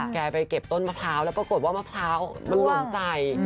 แกไปเก็บต้นมะพร้าวแล้วปรากฏว่ามะพร้าวมันหลงใจ